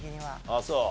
あっそう。